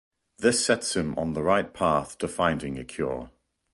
This sets him on the right path to finding a cure.